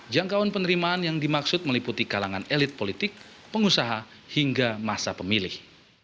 jangkauan penerimaan yang dimaksud meliputi kalangan elit politik pengusaha hingga masa pemilih